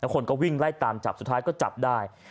คนก็วิ่งไล่ตามจับชอบได้